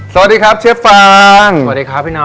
สวัสดีครับเชฟฟางสวัสดีครับพี่น้อง